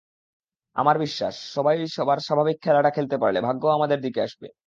আমার বিশ্বাস, সবাই সবার স্বাভাবিক খেলাটা খেলতে পারলে ভাগ্যও আমাদের দিকে আসবে।